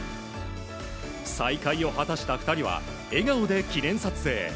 再会を果たした２人は笑顔で記念撮影。